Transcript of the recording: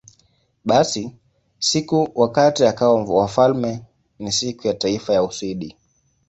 Basi, siku wakati akawa wafalme ni Siku ya Taifa ya Uswidi.